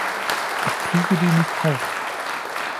Ich kriege die nicht auf.